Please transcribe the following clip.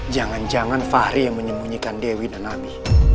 jangan jangan fahri yang menyembunyikan dewi dan nabi